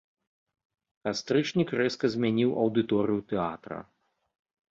Кастрычнік рэзка змяніў аўдыторыю тэатра.